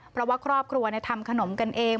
เพราะว่าครอบครัวทำขนมกันเอง